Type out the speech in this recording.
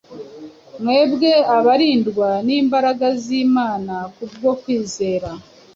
mwebwe abarindwa n’imbaraga z’imana ku bwo kwizera,